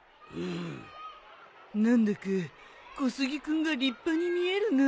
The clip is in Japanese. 何だか小杉君が立派に見えるな。